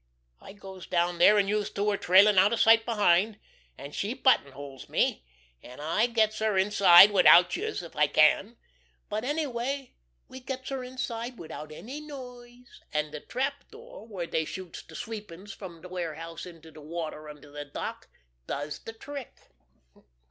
I goes down dere, an' youse two are trailin' out of sight behind, an' she buttonholes me, an' I gets her inside widout youse if I can, but anyway we gets her inside widout any noise, an' de trap door where dey shoots de sweepings from de warehouse into de water under de dock does de trick.